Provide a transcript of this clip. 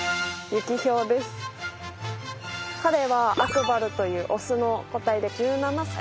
彼はアクバルというオスの個体で１７歳になります。